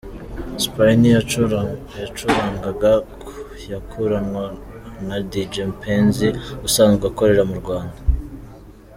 Spinny yacurangaga yakuranwa na Dj Mpenzi usanzwe akorera mu Rwanda.